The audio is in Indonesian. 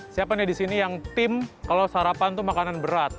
siapanya di sini yang tim kalau sarapan itu makanan berat